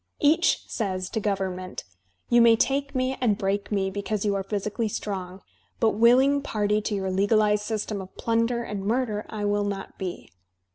Each says to government: "You may take me and break me because you are physically strong, but willing party to your legalized system of plunder and murder I will not be."